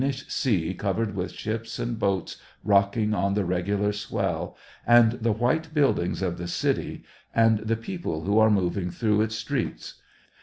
35 ish sea covered with ships and boats rocking on the regular swell, and the white buildings of the city, and the people who are moving through its streets.